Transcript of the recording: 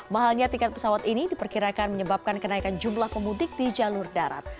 mahalnya tiket pesawat ini diperkirakan menyebabkan kenaikan jumlah pemudik di jalur darat